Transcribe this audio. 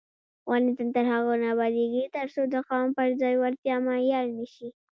افغانستان تر هغو نه ابادیږي، ترڅو د قوم پر ځای وړتیا معیار نشي.